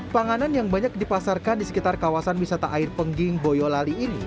panganan yang banyak dipasarkan di sekitar kawasan wisata air pengging boyolali ini